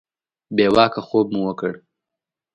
بې واکه خوب مو وکړ.